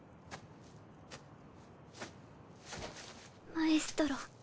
マエストロ。